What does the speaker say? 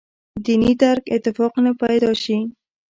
دیني درک اتفاق نه پیدا شي.